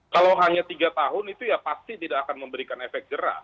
kalau hanya tiga tahun itu ya pasti tidak akan memberikan efek jerah